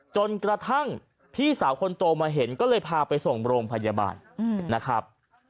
จนกระทั่งพี่สาวคนโตมาเห็นก็เลยพาไปส่งโรงพยาบาลนะครับ